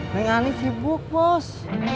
neng ani sibuk bos